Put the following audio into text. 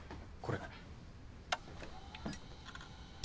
これ。